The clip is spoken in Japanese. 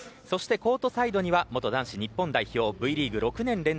コートサイドには元男子日本代表Ｖリーグ６年連続